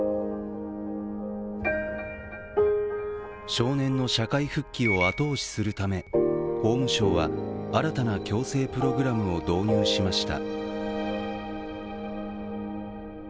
少年の社会復帰を後押しするため法務省は新たな矯正プログラムを導入しました。